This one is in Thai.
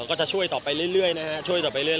ก็จะช่วยต่อไปเรื่อยนะฮะช่วยต่อไปเรื่อย